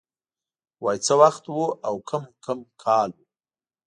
وای څه وخت و او کوم کوم کال و